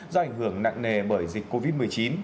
do ảnh hưởng nặng nề bởi dịch covid một mươi chín